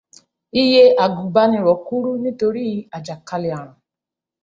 Iye àgùnbánirọ̀ kúrú nítorí àjàkálẹ̀ ààrùn.